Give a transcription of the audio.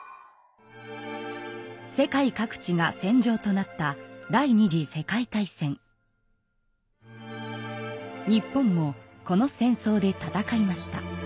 世界各地が戦場となった日本もこの戦争で戦いました。